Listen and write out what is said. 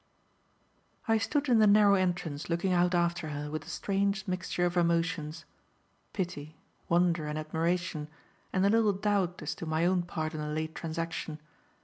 I stood in the narrow entrance looking out after her with a strange mixture of emotions; pity, wonder and admiration and a little doubt as to my own part in the late transaction.